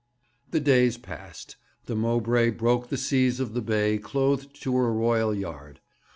The days passed. The Mowbray broke the seas of the Bay clothed to her royal yard.